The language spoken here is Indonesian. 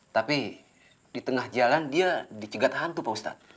tapi di tengah jalan dia dicegat hantu pak ustadz